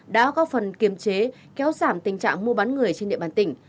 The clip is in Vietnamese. đã góp phần kiềm chế kéo giảm tình trạng mua bán người trên địa bàn tỉnh